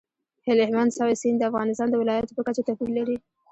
هلمند سیند د افغانستان د ولایاتو په کچه توپیر لري.